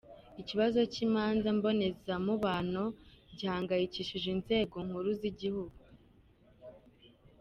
Ikibazo cy’imanza mbonezamubano gihangayikishije inzego nkuru z’igihugu.